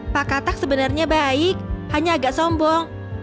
pak katak sebenarnya baik hanya agak sombong